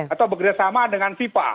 atau bekerjasama dengan vipa